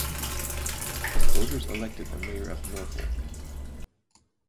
Voters elected the Mayor of Norfolk.